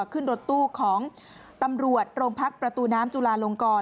ขึ้นรถตู้ของตำรวจโรงพักประตูน้ำจุลาลงกร